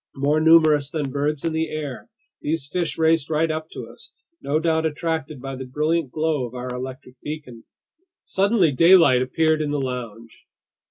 More numerous than birds in the air, these fish raced right up to us, no doubt attracted by the brilliant glow of our electric beacon. Suddenly daylight appeared in the lounge.